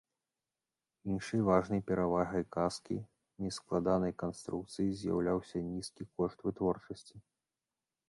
Іншай важнай перавагай каскі нескладанай канструкцыі з'яўляўся нізкі кошт вытворчасці.